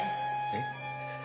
えっ？